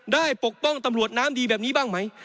ปกป้องตำรวจน้ำดีแบบนี้บ้างไหม